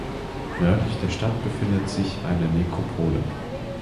Nördlich der Stadt befindet sich eine Nekropole.